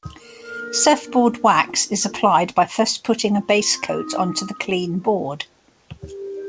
Surfboard wax is applied by first putting a basecoat onto the clean board.